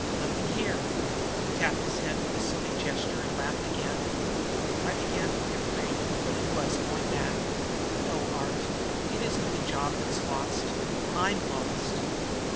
Nothing here." He tapped his head with a silly gesture and laughed again. I began to be afraid he really was going mad. "No, Art, it isn't the job that's lost. I'm lost!"